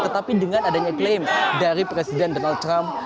tetapi dengan adanya klaim dari presiden donald trump